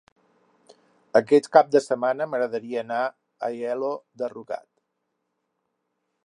Aquest cap de setmana m'agradaria anar a Aielo de Rugat.